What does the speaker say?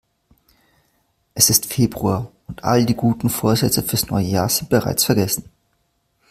Es ist Februar und all die guten Vorsätze fürs neue Jahr sind bereits vergessen.